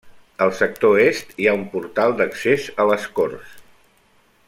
Al sector Est hi ha un portal d'accés a les corts.